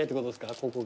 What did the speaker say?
ここが。